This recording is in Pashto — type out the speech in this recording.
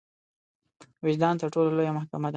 وجدان تر ټولو لويه محکمه ده.